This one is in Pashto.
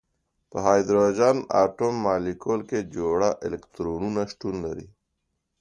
په هایدروجن اتوم مالیکول کې جوړه الکترونونه شتون لري.